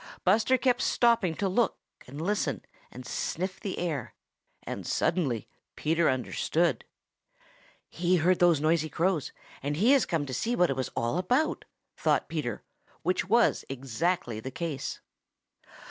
Buster kept stopping to look and listen and sniff the air, and suddenly Peter understood. "He heard those noisy Crows, and he has come to see what it was all about," thought Peter, which was just exactly the case.